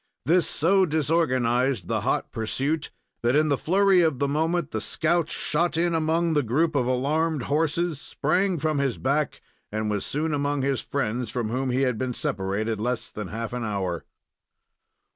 This so disorganized the hot pursuit that in the flurry of the moment the scout shot in among the group of alarmed horses, sprang from his back, and was soon among his friends, from whom he had been separated less than half an hour.